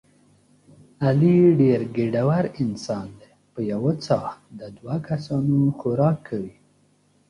علي ډېر ګېډور انسان دی په یوه څاښت د دوه کسانو خوراک کوي.